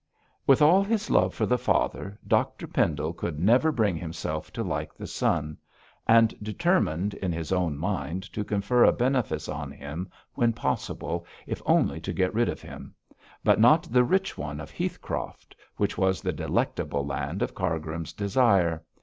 With all his love for the father, Dr Pendle could never bring himself to like the son, and determined in his own mind to confer a benefice on him when possible, if only to get rid of him; but not the rich one of Heathcroft, which was the delectable land of Cargrim's desire.